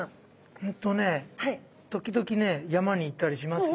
うんとね時々ね山に行ったりしますよ。